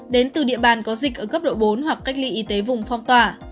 đến từ địa bàn có dịch ở cấp độ bốn hoặc cách ly y tế vùng phong tỏa